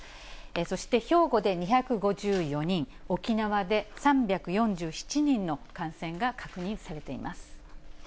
そして兵庫で２５４人、沖縄で３４７人の感染が確認されています。